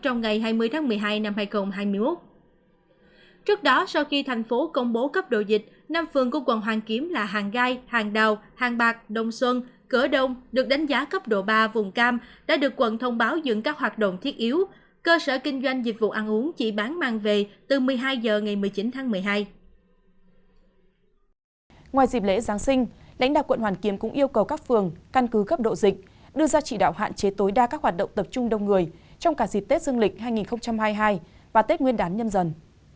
ngoài dịp lễ giáng sinh đánh đạp quận hoàn kiếm cũng yêu cầu các phường căn cứ cấp độ dịch đưa ra chỉ đạo hạn chế tối đa các hoạt động tập trung đông người trong cả dịp tết dương lịch hai nghìn hai mươi hai và tết nguyên đáng nhầm dần